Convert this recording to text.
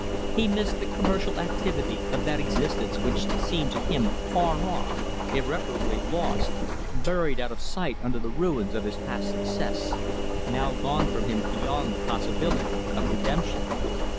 He missed the commercial activity of that existence which seemed to him far off, irreparably lost, buried out of sight under the ruins of his past success now gone from him beyond the possibility of redemption.